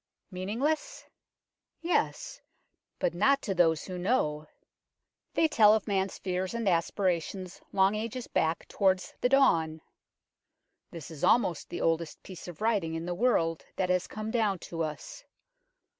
Meaningless ? yes, but not to those who know. They tell of man's fears and aspirations long ages back towards the dawn. This is almost the oldest piece of writing in the world that has come down to us.